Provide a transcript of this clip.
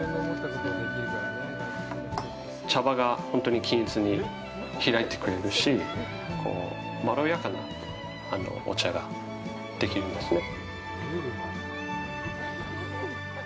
茶葉がほんとに均一に開いてくれるし、まろやかなお茶ができるんですね。